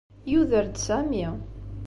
Yuder-d Sami.